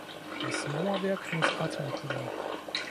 Das Mauerwerk muss atmen können.